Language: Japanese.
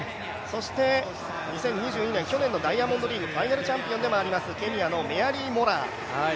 そして、２０２２年去年のダイヤモンドリーグファイナルチャンピオンでもあります、ケニアのメアリー・モラア。